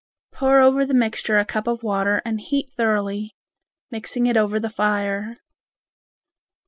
Pour over the mixture a cup of water and heat thoroughly, mixing it over the fire.